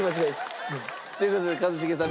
うん。という事で一茂さん